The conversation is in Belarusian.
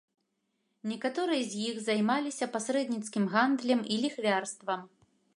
Некаторыя з іх займаліся пасрэдніцкім гандлем і ліхвярствам.